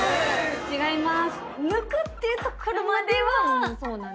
違います！